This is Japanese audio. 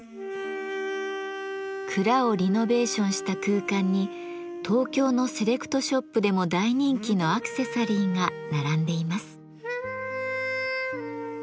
蔵をリノベーションした空間に東京のセレクトショップでも大人気のアクセサリーが並んでいます。